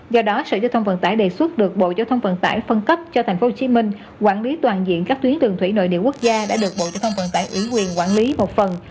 do đó sở giao thông vận tải đề xuất được bộ giao thông vận tải phân cấp cho tp hcm quản lý toàn diện các tuyến đường thủy nội địa quốc gia đã được bộ giao thông vận tải ủy quyền quản lý một phần